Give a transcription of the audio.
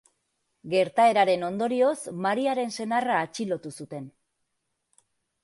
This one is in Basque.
Gertaeraren ondorioz, Mariaren senarra atxilotu zuten.